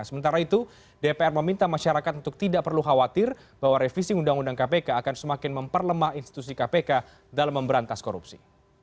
sementara itu dpr meminta masyarakat untuk tidak perlu khawatir bahwa revisi undang undang kpk akan semakin memperlemah institusi kpk dalam memberantas korupsi